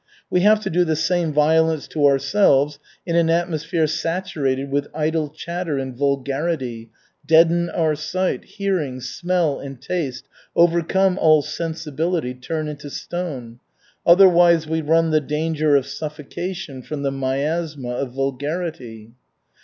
We have to do the same violence to ourselves in an atmosphere saturated with idle chatter and vulgarity, deaden our sight, hearing, smell and taste, overcome all sensibility, turn into stone. Otherwise we run the danger of suffocation from the miasma of vulgarity.